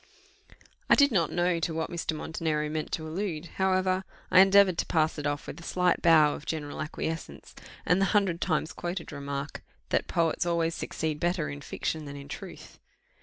I did not know to what Mr. Montenero meant to allude: however, I endeavoured to pass it off with a slight bow of general acquiescence, and the hundred times quoted remark, that poets always succeed better in fiction than in truth.